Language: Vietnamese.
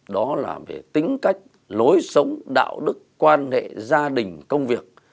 đó là về tính cách lối sống đạo đức quan hệ gia đình công việc